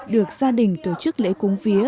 được gia đình tổ chức lễ cúng vía